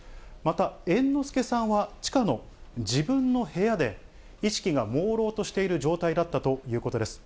また、猿之助さんは地下の自分の部屋で、意識がもうろうとしている状態だったということです。